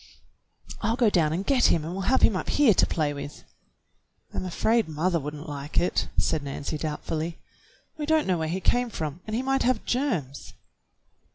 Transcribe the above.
"I'll go down and get him and we'll have him up here to play with." "I'm afraid mother would n't like it," said Nancy doubtfully. "We don't know where he came from, and he might have germs."